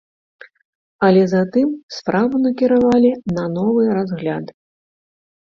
Але затым справу накіравалі на новы разгляд.